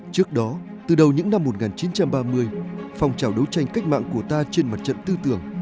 trước đó từ đầu những năm một nghìn chín trăm ba mươi phong trào đấu tranh cách mạng của ta trên mặt trận tư tưởng